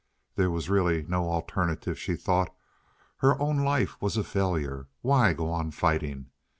There was really no alternative, she thought. Her own life was a failure. Why go on fighting?